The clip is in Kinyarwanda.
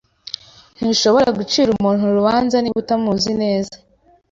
Ntushobora gucira umuntu urubanza niba utamuzi neza.